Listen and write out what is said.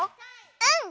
うん。